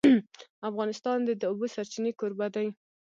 افغانستان د د اوبو سرچینې کوربه دی.